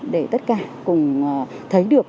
để tất cả cùng thấy được